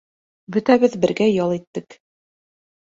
Бөтәбеҙ бергә ял иттек.